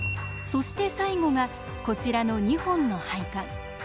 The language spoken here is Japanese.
そして最後がこちらの２本の配管。